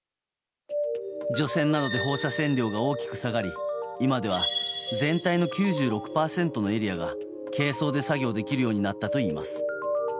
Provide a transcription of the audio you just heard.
除染などで放射線量が大きく下がり今では全体の９６％のエリアが軽装で作業できるようになったといいます。